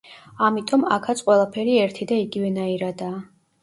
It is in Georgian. ამიტომ აქაც ყველაფერი ერთი და იგივე ნაირადაა.